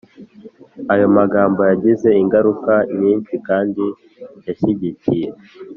Ayo magambo yagize ingaruka nyinshi kandi yashyigikiye